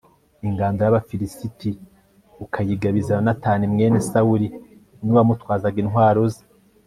ingando y'abafilisiti ukayigabiza yonatani mwene sawuli, n'uwamutwazaga intwaro ze